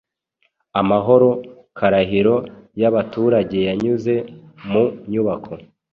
Amahoro karahiro yabaturageyanyuze mu nyubako